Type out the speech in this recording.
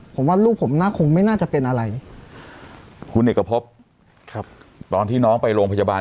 ผมว่าลูกผมน่าคงไม่น่าจะเป็นอะไรคุณเอกพบครับตอนที่น้องไปโรงพยาบาล